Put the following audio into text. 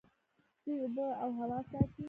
دوی اوبه او هوا ساتي.